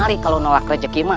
mari kalau menolak rejeki raden